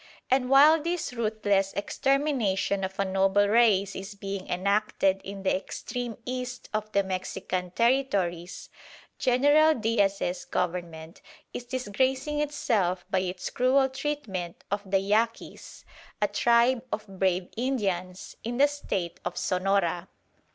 And while this ruthless extermination of a noble race is being enacted in the extreme east of the Mexican territories, General Diaz's Government is disgracing itself by its cruel treatment of the Yaquis, a tribe of brave Indians in the State of Sonora.